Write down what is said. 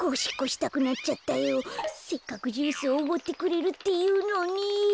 せっかくジュースをおごってくれるっていうのに。